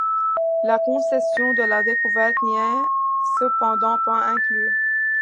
La concession de la découverte n'y est cependant pas inclus.